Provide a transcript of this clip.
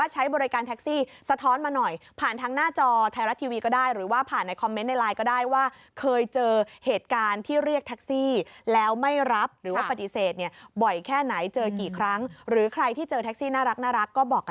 เจอกี่ครั้งหรือใครที่เจอแท็กซี่น่ารักก็บอกกันมาได้นะคะ